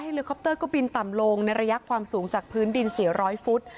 เลคอปเตอร์ก็บินต่ำลงในระยะความสูงจากพื้นดิน๔๐๐ฟุต